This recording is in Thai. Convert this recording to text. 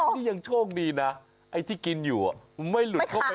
นี่ยังโชคดีนะไอ้ที่กินอยู่ไม่หลุดเข้าไป